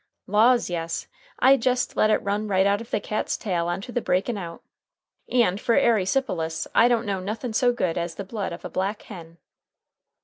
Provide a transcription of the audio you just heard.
"Laws, yes; I jest let it run right out of the cat's tail onto the breakin' out. And fer airesipelus, I don't know nothin' so good as the blood of a black hen."